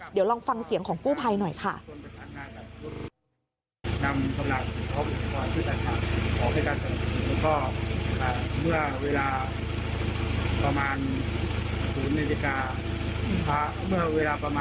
เดี๋ยวลองฟังเสียงของกู้ภัยหน่อยค่ะ